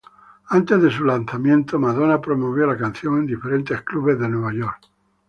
Antes de su lanzamiento, Madonna promovió la canción en diferentes clubes de Nueva York.